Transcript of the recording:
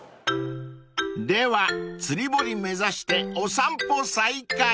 ［では釣り堀目指してお散歩再開］